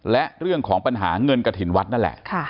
และเรื่องของปัญหาเงินกระถิ่นวัดนั่นแหละ